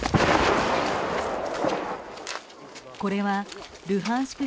これはルハンシク